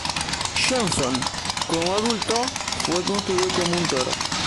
Johnson, como adulto, fue construido como un toro.